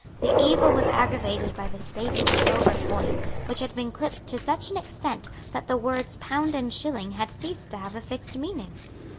The evil was aggravated by the state of the silver coin, which had been clipped to such an extent that the words pound and shilling had ceased to have a fixed meaning.